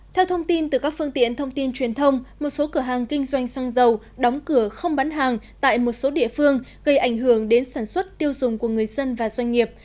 theo thông tin từ các phương tiện thông tin truyền thông một số cửa hàng kinh doanh xăng dầu đóng cửa không bán hàng tại một số địa phương gây ảnh hưởng đến sản xuất tiêu dùng của người dân và doanh nghiệp